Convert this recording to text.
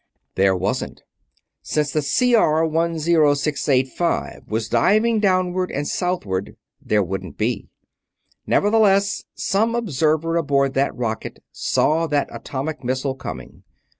There wasn't. Since the CR10685 was diving downward and southward, there wouldn't be. Nevertheless, some observer aboard that rocket saw that atomic missile coming.